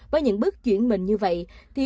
với những bước chuyển mình như vậy